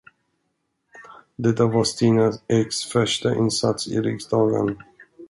Detta var Stina Eks första insats i riksdagen.